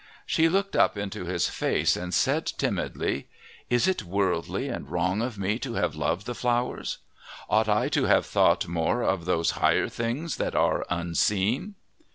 She looked up into his face and said timidly, "Is it worldly and wrong of me to have loved the flowers? Ought I to have thought more of those higher things that are unseen?"